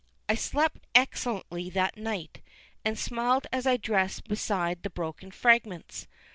I slept excellently that night, and smiled as I dressed beside the broken fragments.